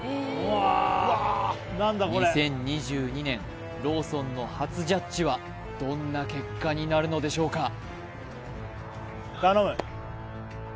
２０２２年ローソンの初ジャッジはどんな結果になるのでしょうか